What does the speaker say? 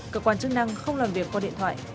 cơ quan chức năng không làm việc qua điện thoại